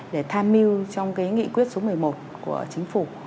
để tham mưu trong cái nghị quyết số một mươi một của chính phủ